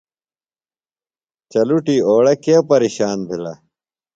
چلٹُی اوڑہ کےۡ پریشان بھِلہ؟